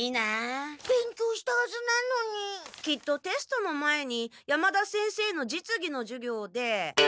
きっとテストの前に山田先生のじつぎの授業で。